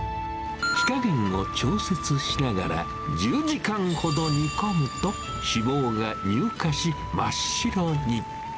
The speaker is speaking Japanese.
火加減を調節しながら、１０時間ほど煮込むと、脂肪が乳化し、真っ白に。